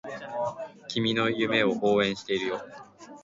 君の夢を応援しているよ